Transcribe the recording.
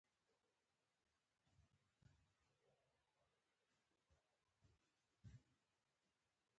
هغوی چې د معاش اخیستلو لپاره بله وسیله نلري